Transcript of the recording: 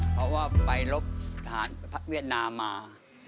เพราะว่าไปรบทหารเวียดนามมา